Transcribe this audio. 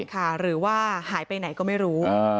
ค่ะหรือว่าหายไปไหนก็ไม่รู้